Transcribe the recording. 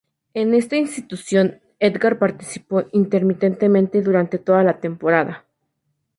En esta institución, Edgard participó intermitentemente durante toda la temporada.